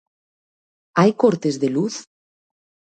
Hai cortes de luz?